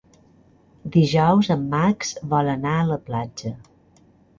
Dijous en Max vol anar a la platja.